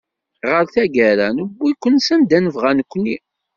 Ɣer tagara newwi-ken sanda nebɣa nekni.